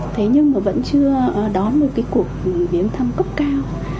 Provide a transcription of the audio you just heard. thế nhưng mà vẫn chưa đón một cái cuộc biến thăm cấp cao